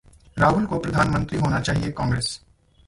राहुल को प्रधानमंत्री होना चाहिए: कांग्रेस